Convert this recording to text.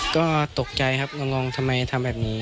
ก็ตกใจครับงงทำไมทำแบบนี้